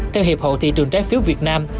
theo hiệp hậu thị trường trái phiếu việt nam